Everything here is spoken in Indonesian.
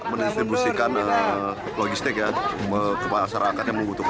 menistribusikan logistik ke masyarakat yang membutuhkan